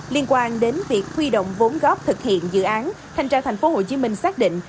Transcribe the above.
liên quan đến việc huy động vốn góp thực hiện dự án thanh tra thành phố hồ chí minh xác định